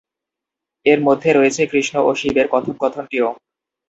এর মধ্যে রয়েছে কৃষ্ণ ও শিবের কথোপকথনটিও।